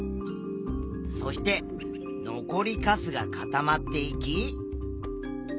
そして残りかすが固まっていき。